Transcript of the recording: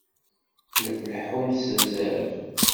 La tleḥḥumt s zzerb!